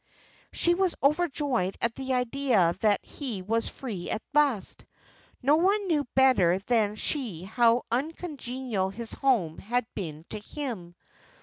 She was overjoyed at the idea that he was free at last. No one knew better than she how uncongenial his home had been to him.